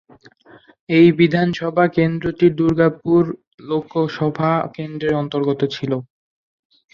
এই বিধানসভা কেন্দ্রটি দুর্গাপুর লোকসভা কেন্দ্রের অন্তর্গত ছিল।